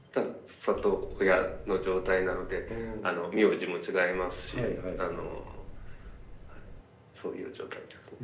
里親の状態なので名字も違いますしそういう状況ですね。